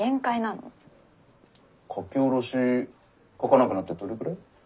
書き下ろし書かなくなってどれくらい？